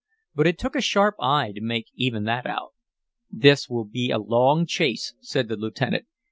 But it took a sharp eye to make even that out. "This will be a long chase," said the lieutenant.